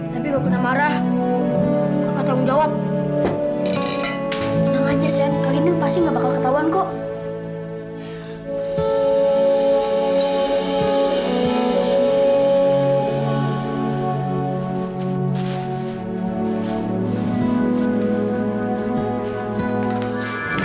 tapi kau kena marah kakak tanggung jawab tenang aja sen pasti nggak bakal ketahuan kok